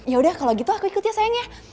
yaudah kalau gitu aku ikut ya sayangnya